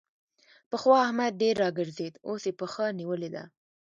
پخوا احمد ډېر راګرځېد؛ اوس يې پښه نيولې ده.